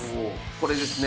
これですね？